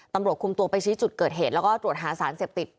ตำรวจคุมตัวไปชี้จุดเกิดเหตุแล้วก็ตรวจหาสารเสพติด